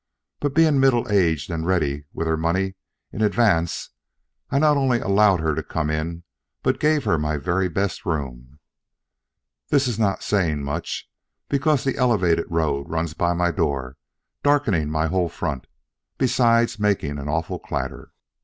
But being middle aged and ready with her money in advance, I not only allowed her to come in but gave her my very best room. This is not saying much, because the elevated road runs by my door, darkening my whole front, besides making an awful clatter.